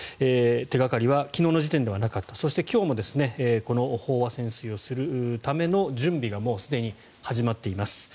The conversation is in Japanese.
手掛かりは昨日の時点ではなかったそして今日もこの飽和潜水をするための準備がすでに始まっています。